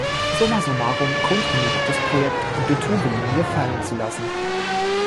Summa summarum Grund genug, das Projekt Betuwe-Linie fallenzulassen.